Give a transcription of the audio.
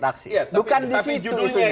tapi judulnya itu